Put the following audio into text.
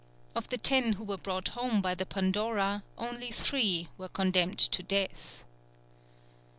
Of the ten who were brought home by the Pandora, only three were condemned to death.